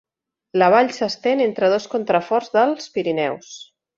La vall s'estén entre dos contraforts dels Pirineus.